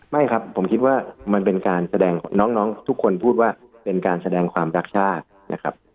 ไม่ครับผมคิดว่ามันเป็นการแสดงน้องทุกคนพูดว่าเป็นการแสดงความรักชาตินะครับ